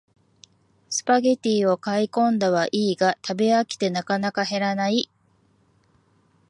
スパゲティを買いこんだはいいが食べ飽きてなかなか減らない